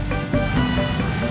terima kasih bang